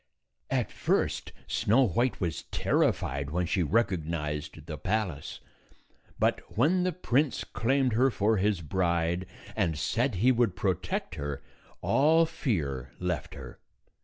At 243 first Snow White was terrified when she recog nized the palace; but when the prince claimed her for his bride, and said he would protect her, all fear left her.